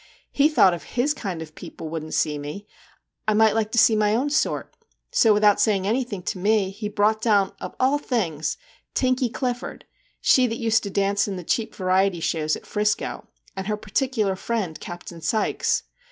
* He thought if his kind of people wouldn't see me, I might like to see my own sort. So, without saying any thing to me, he brought down, of all things ! Tinkie Clifford, she that used to dance in the cheap variety shows at Frisco, and her par ticular friend Captain Sykes.